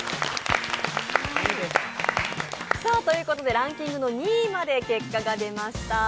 ランキングの２位まで結果が出ました。